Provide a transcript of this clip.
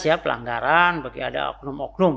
matilah siap pelanggaran bagi ada oknum oknum